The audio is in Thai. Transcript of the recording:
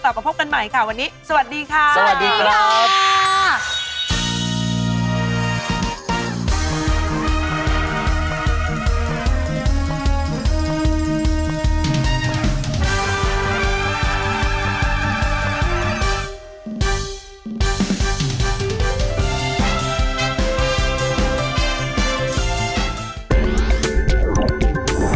โปรดติดตามต่อไป